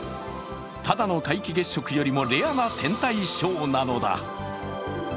ただの皆既月食よりもレアな天体ショーなのだ。